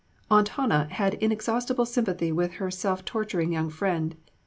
"Aunt Hannah" had inexhaustible sympathy with her self torturing young friend.